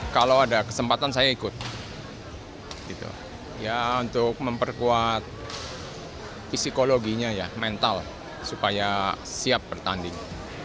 kalau ada kesempatan saya ikut untuk memperkuat psikologinya ya mental supaya siap bertanding